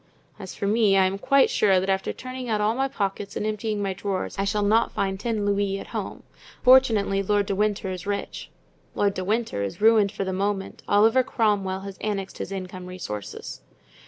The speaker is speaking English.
"As for me, I am quite sure that after turning out all my pockets and emptying my drawers I shall not find ten louis at home. Fortunately Lord de Winter is rich." "Lord de Winter is ruined for the moment; Oliver Cromwell has annexed his income resources."